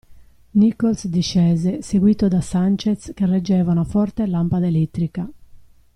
Nichols discese, seguito da Sanchez che reggeva una forte lampada elettrica.